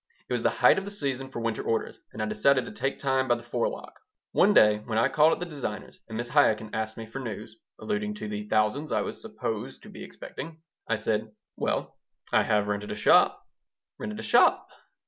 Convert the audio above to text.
It was the height of the season for winter orders, and I decided to take time by the forelock One day when I called at the designer's, and Mrs. Chaikin asked me for news (alluding to the thousands I was supposed to be expecting), I said: "Well, I have rented a shop." "Rented a shop?"